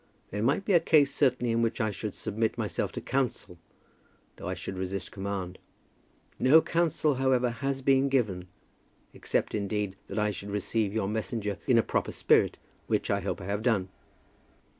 There might be a case certainly in which I should submit myself to counsel, though I should resist command. No counsel, however, has been given, except indeed that I should receive your messenger in a proper spirit, which I hope I have done.